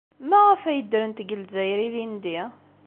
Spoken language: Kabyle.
Maɣef ay ddrent deg Lezzayer ilindi?